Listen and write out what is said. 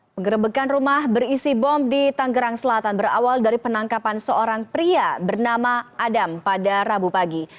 penggerebekan rumah berisi bom di tanggerang selatan berawal dari penangkapan seorang pria bernama adam pada rabu pagi